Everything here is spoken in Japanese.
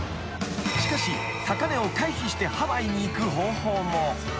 ［しかし高値を回避してハワイに行く方法も］